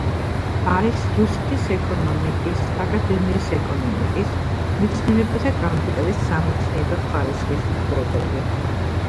არის რუსეთის ეკონომიკის აკადემიის ეკონომიკის მეცნიერებათა კანდიდატის სამეცნიერო ხარისხის მფლობელი.